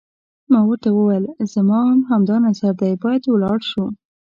ما ورته وویل: زما هم همدا نظر دی، باید ولاړ شو.